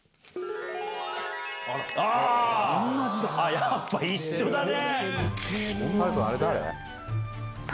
やっぱ一緒だね。